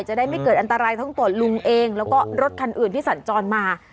จะได้ไม่เกิดอันตรายทั้งตัวลุงเองแล้วก็รถคันอื่นที่สัญจรมา